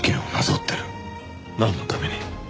なんのために？